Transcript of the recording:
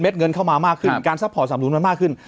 เงินเข้ามามากขึ้นการซัพพอร์ตสำนุนมันมากขึ้น